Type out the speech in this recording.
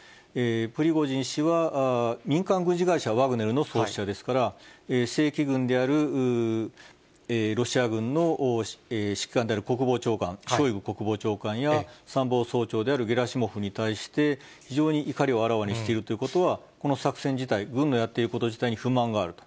プリゴジン氏は民間軍事会社、ワグネルの創始者ですから、正規軍であるロシア軍の指揮官である国防長官、ショイグ国防長官や、参謀総長であるゲラシモフに対して、非常に怒りをあらわにしているということは、この作戦自体、軍のやっていること自体に不満があると。